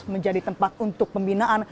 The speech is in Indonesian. menjadi tempat untuk pembinaan